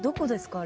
あれ。